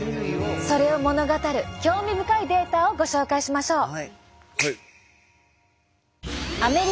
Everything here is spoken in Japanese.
それを物語る興味深いデータをご紹介しましょう。